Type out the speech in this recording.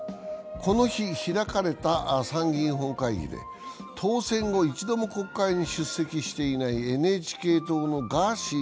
この日、開かれた参議院本会議で当選後、一度も国会に出席していないＮＨＫ党のガーシー